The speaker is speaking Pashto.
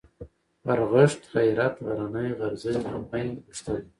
غرغښت ، غيرت ، غرنى ، غرزی ، غمی ، غښتلی